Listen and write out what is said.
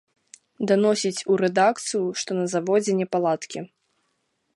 Даносіць у рэдакцыю, што на заводзе непаладкі.